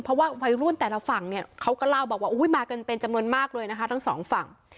เพราะว่าวัยรุ่นแต่ละฝั่งเขาก็เล่าว่ามาเป็นจำนวนมากเลยทั้งสองฝั่ง